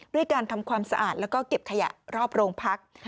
ด้วยการทำความสะอาดแล้วก็เก็บขยะรอบโรงพัก